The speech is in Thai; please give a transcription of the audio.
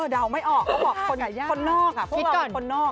เดาไม่ออกเขาบอกคนไหนคนนอกพวกเราคนนอก